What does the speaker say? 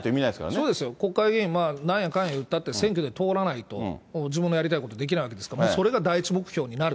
そうですよ、国会議員、なんやかんやいったって選挙で通らないかぎり、自分のやりたいことできないわけですから、それが第一目標になる。